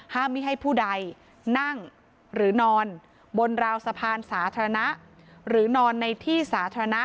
ไม่ให้ผู้ใดนั่งหรือนอนบนราวสะพานสาธารณะหรือนอนในที่สาธารณะ